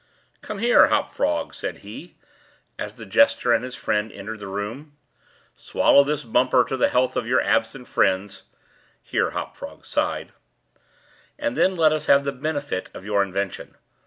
"Come here, Hop Frog," said he, as the jester and his friend entered the room; "swallow this bumper to the health of your absent friends, [here Hop Frog sighed,] and then let us have the benefit of your invention.